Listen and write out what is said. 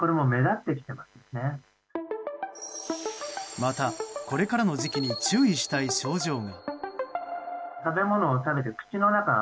また、これからの時期に注意したい症状が。